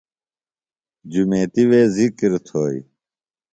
جُمیتیۡ وے ذکِر تھوئی